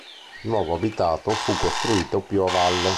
Il nuovo abitato fu costruito più a valle.